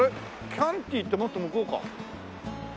キャンティってもっと向こうか？